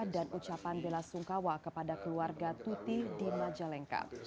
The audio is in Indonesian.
dan ucapan bela sungkawa kepada keluarga tuti di majalengka